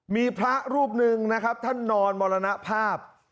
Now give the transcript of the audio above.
มีพระรูปหนึ่งนะครับท่านนอนมรณภาพ